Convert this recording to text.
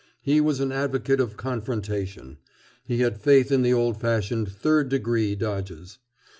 He was an advocate of "confrontation." He had faith in the old fashioned "third degree" dodges.